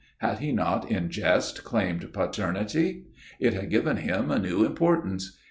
Had he not in jest claimed paternity? It had given him a new importance.